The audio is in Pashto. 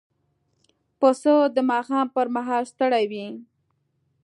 پسه د ماښام پر مهال ستړی وي.